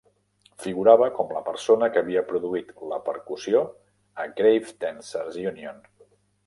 Figurava com la persona que havia produït la "percussió" a "Grave Dancers Union".